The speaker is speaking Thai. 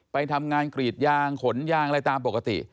ไปทำงานกรีดยางขนยางอะไรตามปกติ